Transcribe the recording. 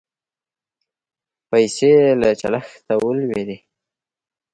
پیسې له چلښته ولوېدې